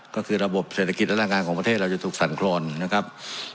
ก็คือระบบเศรษฐกิจและแรงงานของประเทศเราจะถูกสั่นครอนนะครับ